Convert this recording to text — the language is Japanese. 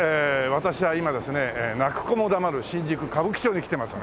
私は今ですね泣く子も黙る新宿歌舞伎町に来てます。